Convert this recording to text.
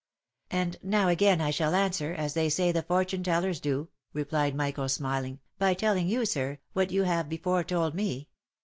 " And now again I shall answer, as they say the fortune tellers do," replied Michael, smiling, " by telling you, sir, what you have before told me.